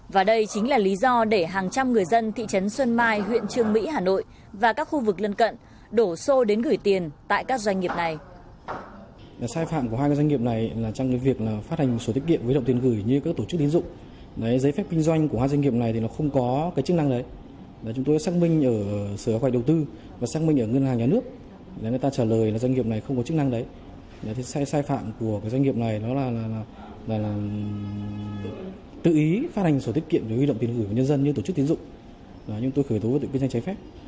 và đây chính là lý do để hàng trăm người dân thị trấn xuân mai huyện trương mỹ hà nội và các khu vực lân cận đổ xô đến gửi tiền tại các doanh nghiệp này